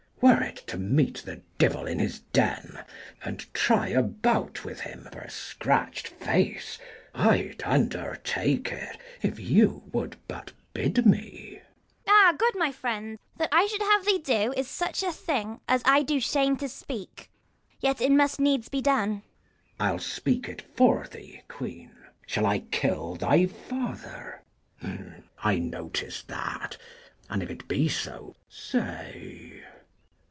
Were it to meet the devil in his den, And try a bout with him for a scratch'd face, 20 I'd undertake it, if you would but bid me. 54 KING LEIR AND [Acr IV Ragan. Ah, good my friend, that I should have thee do Is such a thing as I do shame to speak ; Yet it must needs be done. Mess. I'll speak it for thee, queen : shall I kill thy father ? I know 'tis that ; and if it be so, say.